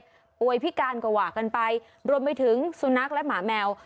ป่วยพิการกว่ากันไปรวมไปถึงสุนัขและหมาแมว